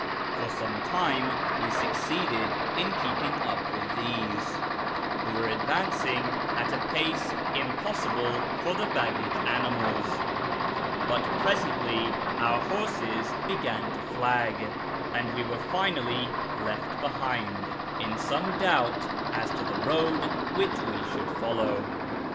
For some time we suc ceeded in keeping up with these, who were advancing at a pace impossible for the baggage animals, but presently our horses began to flag, and we were finally left behind, in some doubt as to the road wdiich we should follow.